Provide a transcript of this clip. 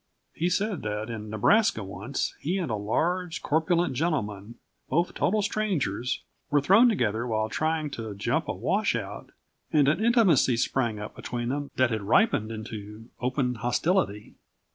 He said that in Nebraska once he and a large, corpulent gentleman, both total strangers, were thrown together while trying to jump a washout, and an intimacy sprang up between them that had ripened into open hostility.